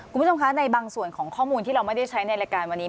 คุณผู้ชมคะในบางส่วนของข้อมูลที่เราไม่ได้ใช้ในรายการวันนี้